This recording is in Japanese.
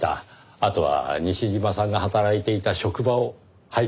あとは西島さんが働いていた職場を拝見できれば。